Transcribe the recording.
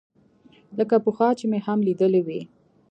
لکه پخوا چې مې هم ليدلى وي.